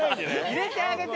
入れてあげて。